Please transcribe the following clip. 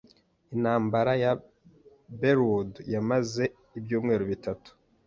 Intambara ya Belleau Wood yamaze ibyumweru bitatu.